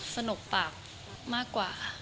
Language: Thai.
สนุกมากกว่า